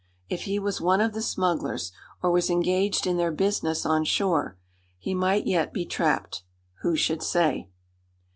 If he was one of the smugglers, or was engaged in their business on shore, he might yet be trapped. Who should say?